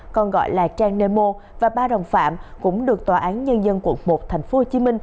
còn gọi là trang nemo và ba đồng phạm cũng được tòa án nhân dân quận một tp hcm